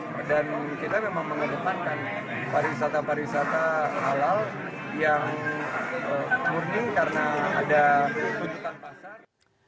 dan kita memang mengembangkan para wisata wisata halal yang murni karena ada kebutuhan pasar